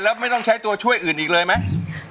แล้วไม่ต้องใช้ตัวช่วยอื่นอีกเลยไหม